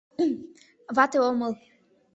Вате омыл.